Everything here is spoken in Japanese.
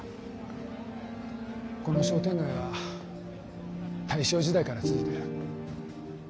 この商店街は大正時代から続いてる。